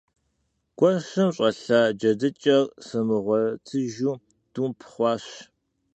Гуэщым щӀэлъа джыдэжьыр сымыгъуэтыжу думп хъуащ.